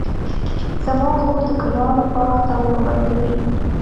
زما خور د ګلانو باغ ته اوبه ورکوي.